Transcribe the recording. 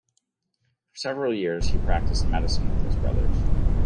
For several years he practiced medicine with his brothers.